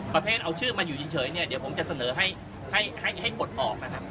ประเภทเอาชื่อมาอยู่เฉยเนี่ยเดี๋ยวผมจะเสนอให้กดออกนะครับ